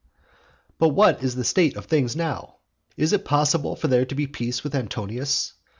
II. But what is the state of things now? Is it possible for there to be peace with Antonius?